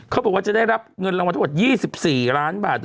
เขาบอกว่าจะได้รับเงินรางวัลทั้งหมด๒๔ล้านบาท